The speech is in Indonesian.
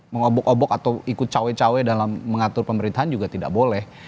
mengobok obok atau ikut cawe cawe dalam mengatur pemerintahan juga tidak boleh